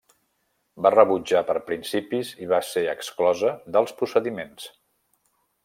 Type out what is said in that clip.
Va rebutjar per principis i va ser exclosa dels procediments.